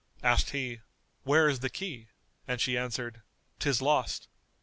[FN#229] Asked he "Where is the key?"; and she answered, "'Tis lost."